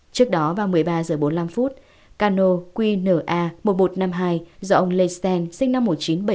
trước đó vào một mươi ba h bốn mươi năm cano qna một nghìn một trăm năm mươi hai do ông lee stent sinh năm một nghìn chín trăm bảy mươi